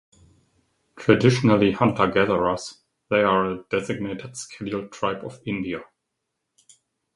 Traditionally hunter-gatherers, they are a designated Scheduled Tribe of India.